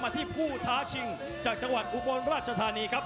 ที่ผู้ท้าชิงจากจังหวัดอุบลราชธานีครับ